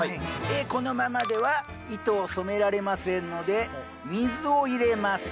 このままでは糸を染められませんので水を入れます。